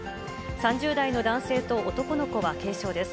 ３０代の男性と男の子は軽傷です。